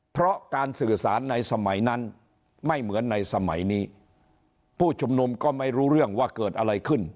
เพราะการสื่อสารในสมัยนั้นไม่เหมือนในสมัยนี้ผู้ชุมนุมก็ไม่รู้เรื่องว่าเกิดอะไรขึ้น